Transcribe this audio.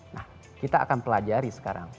nah kita akan pelajari sekarang